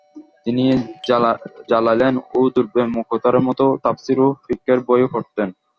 তিনি জালালাইন ও দুররে মুখতারের মতো তাফসীর ও ফিকহের বইও পড়াতেন।